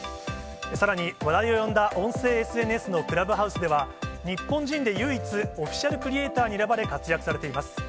さらに話題を呼んだ音声ＳＮＳのクラブハウスでは、日本人で唯一、オフィシャルクリエーターに選ばれ、活躍されています。